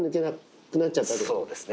そうですね